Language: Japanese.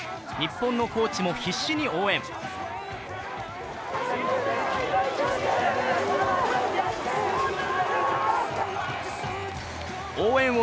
日本のコーチも必死に応援。